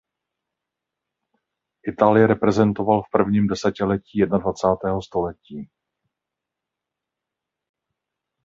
Itálii reprezentoval v prvním desetiletí jednadvacátého století.